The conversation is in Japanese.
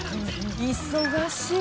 忙しい！